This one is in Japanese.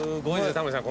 タモリさん